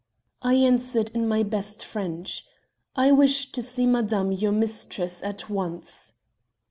"I answered in my best French, 'I wish to see madame, your mistress, at once.'